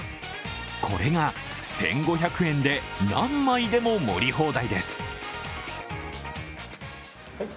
これが１５００円で何枚でも盛り放題です。